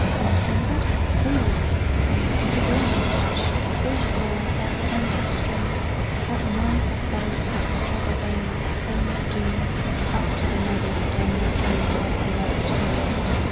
Entangled! freed! and yet again You touch! 'tis o'er that plaintive strain, That mournful buzz, that struggle vain, Proclaim your doom: Up to the murderous den you're ta'en, Your bloody tomb!